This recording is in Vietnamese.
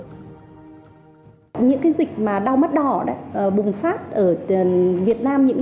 những dịch đau mắt đỏ bùng phát ở việt nam